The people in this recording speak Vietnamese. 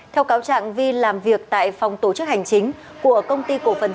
theo cáo trạng vi làm việc tại phòng tổ chức hành chính của công ty cổ phần